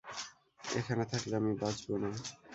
এখানে থাকলে আমি বাঁচব না।